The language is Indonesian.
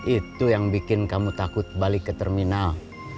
itu yang bikin kamu takut balik ke terminal